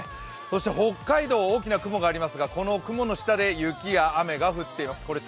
そして北海道、大きな雲がありますがこの雲の下で雪や雨が降っています。